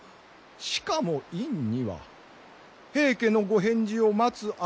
しかも院には平家のご返事を待つ間